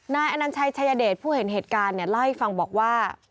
นายอนัญชัยชายเดชผู้เห็นเหตุการณ์เนี่ยเล่าให้ฟังบอกว่า